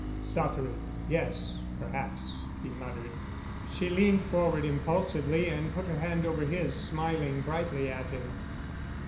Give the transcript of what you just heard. "Suffering—yes, perhaps," he muttered. She leaned forward impulsively and put her hand over his, smiling brightly at him.